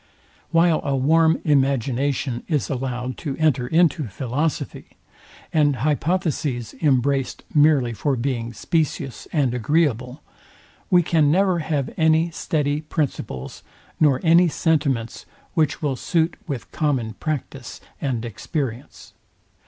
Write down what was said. While a warm imagination is allowed to enter into philosophy, and hypotheses embraced merely for being specious and agreeable, we can never have any steady principles, nor any sentiments, which will suit with common practice and experience.